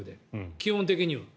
基本的には。